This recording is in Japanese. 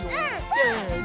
せの！